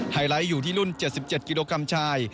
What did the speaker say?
ไลท์อยู่ที่รุ่น๗๗กิโลกรัมชาย